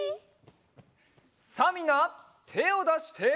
さあみんなてをだして。